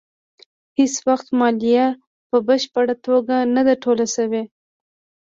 هېڅ وخت مالیه په بشپړه توګه نه ده ټوله شوې.